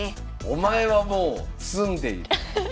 「お前はもう詰んでいる」。